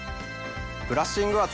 ブラッシング圧？